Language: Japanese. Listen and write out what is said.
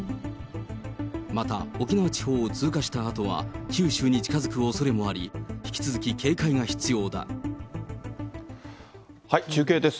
また、沖縄地方を通過したあとは九州に近づくおそれもあり、引き続き警中継です。